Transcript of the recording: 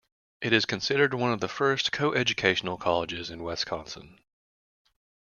It is considered one of the first co-educational colleges in Wisconsin.